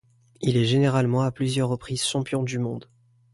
Il est également à plusieurs reprises champion du monde.